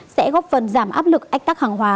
sẽ góp phần giảm áp lực ách tắc hàng hóa